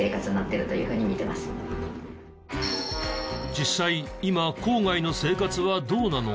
実際今郊外の生活はどうなのか？